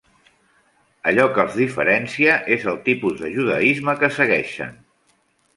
Allò que els diferencia és el tipus de judaisme que segueixen.